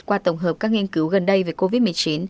qua tổng hợp các nghiên cứu gần đây về covid một mươi chín